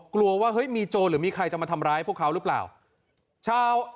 กลัวว่าเฮ้ยมีโจรหรือมีใครจะมาทำร้ายพวกเขาหรือเปล่าชาว